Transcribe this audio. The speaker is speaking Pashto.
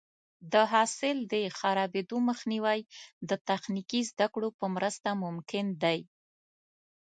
د حاصل د خرابېدو مخنیوی د تخنیکي زده کړو په مرسته ممکن دی.